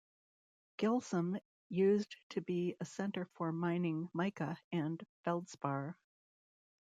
Gilsum used to be a center for mining mica and feldspar.